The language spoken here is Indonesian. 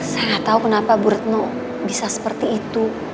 saya gak tahu kenapa bu retno bisa seperti itu